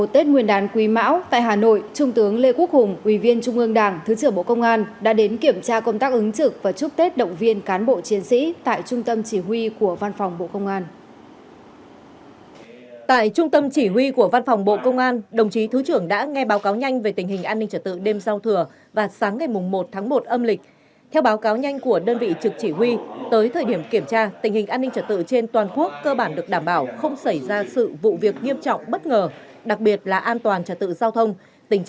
thay mặt đảng ủy công an trung ương lãnh đạo bộ công an thứ trưởng lê quốc hùng đã tặng quà cán bộ chiến sĩ trung tâm chỉ huy bộ công an